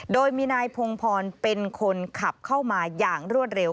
โดยมีนายพงพรเป็นคนขับเข้ามาอย่างรวดเร็ว